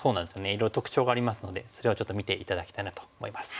いろいろ特徴がありますのでそれをちょっと見て頂きたいなと思います。